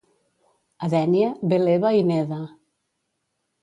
A Dénia ve l'Eva i neda.